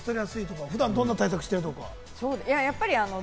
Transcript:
普段、どんな対策をしているとか？